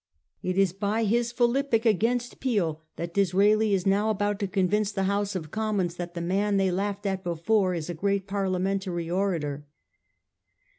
It is by his philippic against Peel that Disraeli is now about to convince the House of Commons that the man they laughed at before is a great Parliamen tary orator.